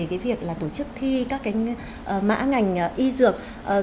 cái việc là tổ chức thi các cái mã ngành y dược